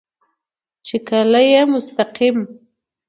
چې کله يې مستقيم